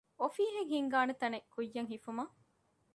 އޮފީހެއް ހިންގާނޭ ތަނެއް ކުއްޔަށް ހިފުމަށް